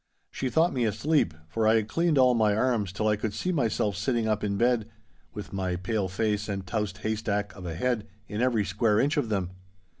She thought me asleep, for I had cleaned all my arms till I could see myself sitting up in bed, with my pale face and towsed haystack of a head, in every square inch of them.